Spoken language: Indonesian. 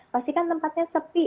pastikan tempatnya sepi